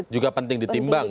juga penting ditimbang ya